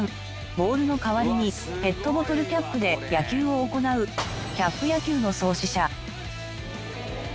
ボールの代わりにペットボトルキャップで野球を行うキャップ野球の創始者。